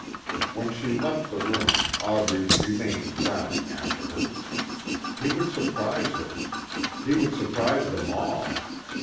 When she left the room Aubrey remained frowning after her. He would surprise her. He would surprise them all.